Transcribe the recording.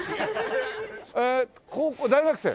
高校大学生？